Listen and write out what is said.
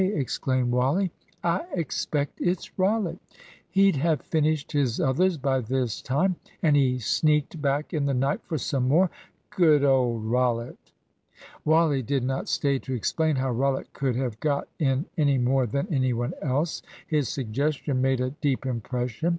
exclaimed Wally; "I expect it's Rollitt. He'd have finished his others by this time, and he sneaked back in the night for some more. Good old Rollitt!" Wally did not stay to explain how Rollitt could have got in any more than any one else. His suggestion made a deep impression.